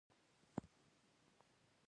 هر ګام چې د خیر لپاره واخلې، ثواب لري.